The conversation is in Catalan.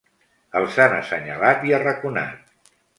Els han assenyalat i arraconat.